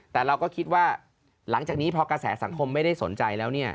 แต่เราก็คิดว่าหลังจากนี้พอกระแสสังคมไม่ได้สนใจแล้ว